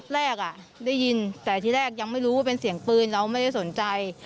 แรกได้ยินแต่ที่แรกยังไม่รู้ว่าเป็นเสียงปืนเราไม่ได้สนใจ